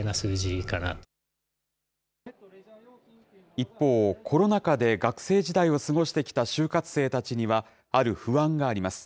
一方、コロナ禍で学生時代を過ごしてきた就活生たちには、ある不安があります。